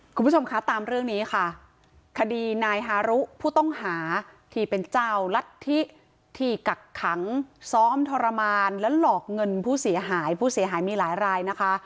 คุณผู้ชมคะตามเรื่องนี้ค่ะคดีนายฮารุผู้ต้องหาที่เป็นเจ้ารัฐธิที่กักขังซ้อมทรมานและหลอกเงินผู้เสียหายผู้เสียหายมีหลายรายนะคะ